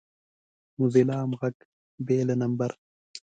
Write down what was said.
موزیلا عام غږ بې له نمبر